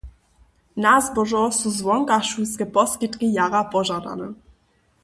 Na zbožo su zwonkašulske poskitki jara požadane.